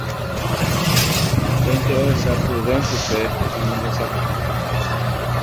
Upéinte ohecha Prudencio-pe ha oñembosako'i